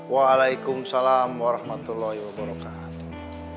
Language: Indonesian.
waalaikumsalam warahmatullahi wabarakatuh